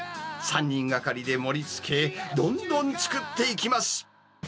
３人がかりで盛りつけ、どんどん作っていきます。